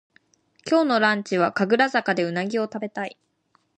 今日のランチは神楽坂でうなぎをたべたい